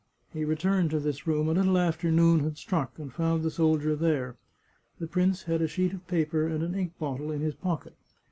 He returned to this room a little after noon had struck, and found the soldier there. The prince had a sheet of paper and an ink bottle in his pocket.